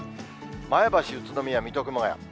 前橋、宇都宮、水戸、熊谷。